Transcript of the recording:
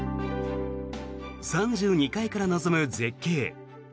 ３２階から望む絶景。